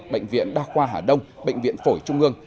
bệnh viện đa khoa hà đông bệnh viện phổi trung ương